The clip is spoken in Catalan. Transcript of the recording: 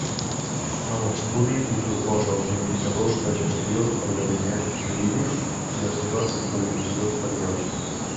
Fa l'estudi i proposa els indicadors de gestió del Gabinet Jurídic i la seva actualització periòdica.